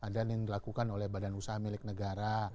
dan yang dilakukan oleh badan usaha milik negara